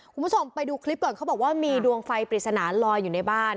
คุณผู้ชมไปดูคลิปก่อนเขาบอกว่ามีดวงไฟปริศนาลอยอยู่ในบ้าน